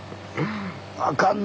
「あかんな」